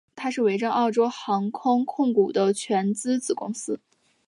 它是维珍澳洲航空控股的全资子公司。